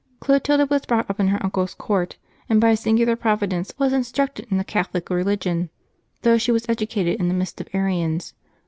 Clotilda was brought up in her uncle's court, and, by a singular providence, was instructed in the Catholic re ligion, though she was educated in the midst of Arians.